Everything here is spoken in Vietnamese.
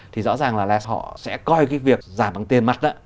thì rõ ràng là họ sẽ coi cái việc giảm bằng tiền mặt